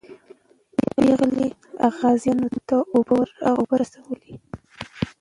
پېغلې غازیانو ته اوبه رسولې.